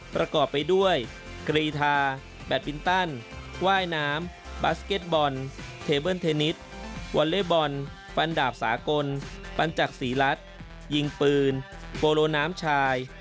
ประกอบไปด้วยกรีธาแบตบินตันว่ายน้ำบาสเก็ตบอลเทเบิ้ลเทนนิสวอเล่บอลฟันดาบสากลปัญจักษีรัฐยิงปืนโปโลน้ำชาย